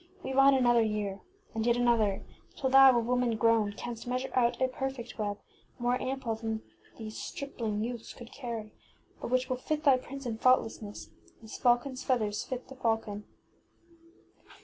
Weave on another year, and yet another, till thou, a woman grown, canst measure out a perfect web, more ample than these stripling youths could carry, but which will fit thy prince in fault lessness, as falconŌĆÖs feath ers fit the falcon.